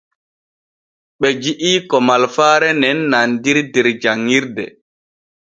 Ɓe ji’i ko malfaare nen nandiri der janɲirde.